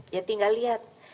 ya tinggal lihat